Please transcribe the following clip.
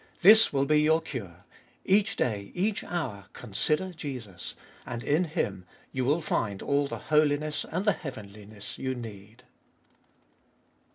This will be your cure : each day, each hour, consider Jesus, and in Him you will find all the holiness and the heavenliness you need.